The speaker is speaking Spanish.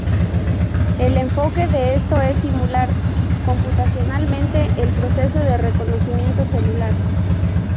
El enfoque de esto es simular computacionalmente el proceso de reconocimiento celular.